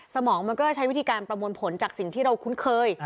สมองมันก็ใช้วิธีการประมวลผลจากสิ่งที่เราคุ้นเคย